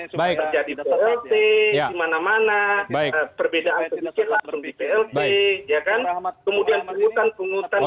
supaya terjadi plt di mana mana perbedaan sedikit langsung di plt